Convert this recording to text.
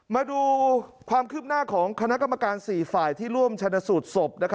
มาดูความคืบหน้าของคณะกรรมการ๔ฝ่ายที่ร่วมชนสูตรศพ